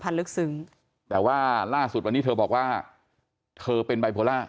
เธอเป็นไบโพลา